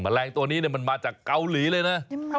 แรงตัวนี้มันมาจากเกาหลีเลยนะ